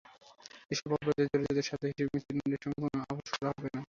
এসব অপরাধে জড়িতদের সাজা হিসেবে মৃত্যুদণ্ডের সঙ্গে কোনো আপস করা হবে না।